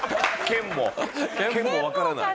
県もわからない。